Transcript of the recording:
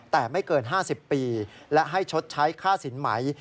แต่ไม่เกิน๕๐ปีและให้ชดใช้ค่าสินไหม